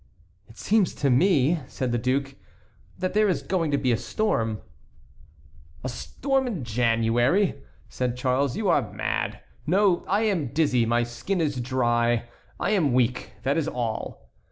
"It seems to me," said the duke, "that there is going to be a storm." "A storm in January!" said Charles; "you are mad. No, I am dizzy, my skin is dry, I am weak, that is all."